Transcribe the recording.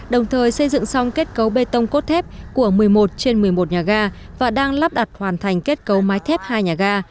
đồng thời xây dựng xong kết cấu bê tông cốt thép của một mươi một trên một mươi một nhà ga và đang lắp đặt hoàn thành kết cấu máy thép hai nhà ga